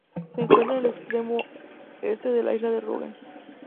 Se encuentra en el extremo este de la isla de Rügen.